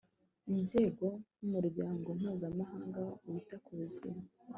inzego nk'umuryango mpuzamahanga wita ku buzima (oms)